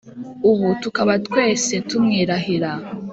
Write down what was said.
ubu tukaba twese tumwirahira.